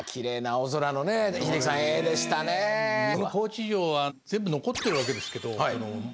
この高知城は全部残ってるわけですけど門も何も。